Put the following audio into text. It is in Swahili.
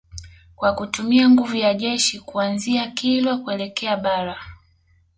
Kwa kutumia nguvu ya jeshi kuanzia Kilwa kuelekea Bara